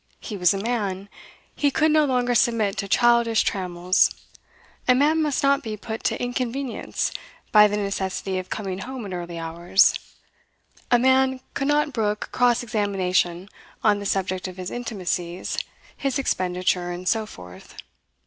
He was a man; he could no longer submit to childish trammels. A man must not be put to inconvenience by the necessity of coming home at early hours. A man could not brook cross examination on the subject of his intimacies, his expenditure, and so forth.